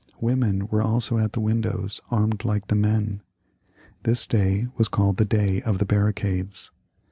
Women were also at the windows armed like the men. This day was called the Day of the Barricades.